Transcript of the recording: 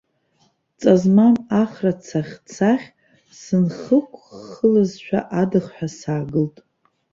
Ҵа змам ахра цаӷьцаӷь сынхықәххылазшәа адыхҳәа саагылт.